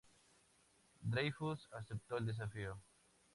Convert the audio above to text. Dreyfus aceptó el desafío.